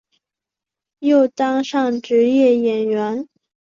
又当上职业演员。